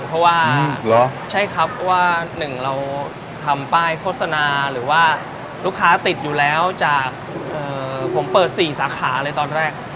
เพราะว่าใช่ครับว่าหนึ่งเราทำป้ายโฆษณาหรือว่าลูกค้าติดอยู่แล้วจากผมเปิด๔สาขาเลยตอนแรก